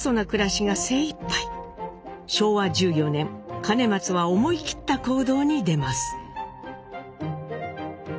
昭和１４年兼松は思い切った行動に出ます。